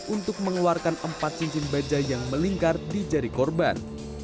untuk mengeluarkan empat cincin baja yang melingkar di jari korban